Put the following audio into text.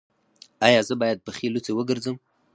ایا زه باید پښې لوڅې وګرځم؟